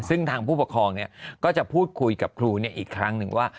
ซึ่งทางผู้ปกครองก็จะพูดคุยกับครูอีกครั้งหนึ่งว่า